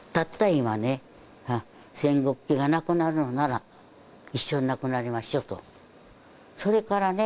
今千石家がなくなるのなら一緒になくなりましょうとそれからね